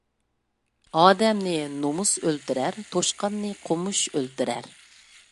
ئادەمنى نومۇس ئۆلتۈرەر، توشقاننى قومۇش ئۆلتۈرەر.